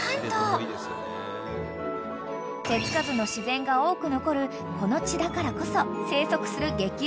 ［手付かずの自然が多く残るこの地だからこそ生息する激